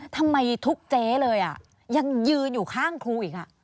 ทำไมทุกเจ๊เลยยังยืนอยู่ข้างครูอีก